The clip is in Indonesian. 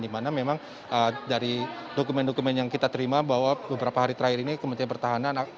dimana memang dari dokumen dokumen yang kita terima bahwa beberapa hari terakhir ini kementerian pertahanan